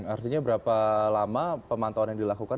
artinya berapa lama pemantauan yang dilakukan